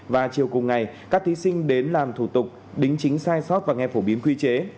và chiều cùng ngày các thí sinh đến làm thủ tục đính chính sai sót và nghe phổ biến quy chế